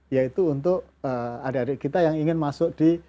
yaitu untuk adik adik kita yang ingin masuk di